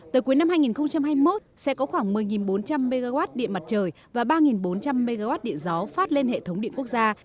từ cuối năm hai nghìn hai mươi một sẽ có khoảng một mươi bốn trăm linh mw điện mặt trời và ba bốn trăm linh mw điện gió phát lên hệ thống điện quốc gia